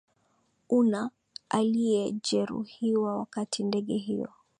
una aliyejeruhiwa wakati ndege hiyo